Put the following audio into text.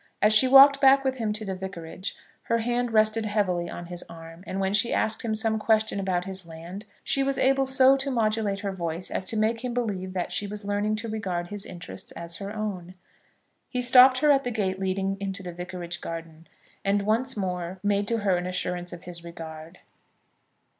As she walked back with him to the vicarage her hand rested heavily on his arm, and when she asked him some question about his land, she was able so to modulate her voice as to make him believe that she was learning to regard his interests as her own. He stopped her at the gate leading into the vicarage garden, and once more made to her an assurance of his regard.